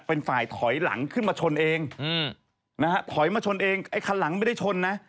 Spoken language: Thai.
เป็นฝ่ายถอยหลังขึ้นมาชนเองอืมนะฮะถอยมาชนเองไอ้คันหลังไม่ได้ชนนะ